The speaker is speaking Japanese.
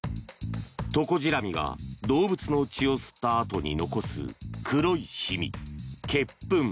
トコジラミが動物の血を吸ったあとに残す黒い染み、血糞。